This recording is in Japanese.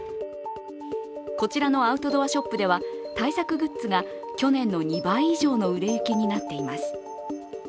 こちらのアウトドアショップでは対策グッズが去年の２倍以上の売れ行きになっています。